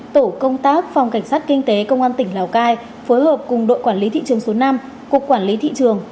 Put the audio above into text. tổ công tác phòng cảnh sát kinh tế công an tỉnh lào cai phối hợp cùng đội quản lý thị trường số năm cục quản lý thị trường